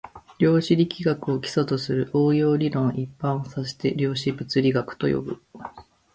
量子力学を基礎とする応用理論一般を指して量子物理学と呼ぶ